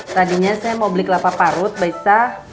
tadinya saya mau beli kelapa parut baisah